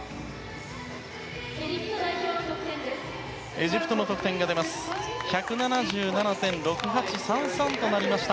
エジプトの得点は１７７．６８３３となりました。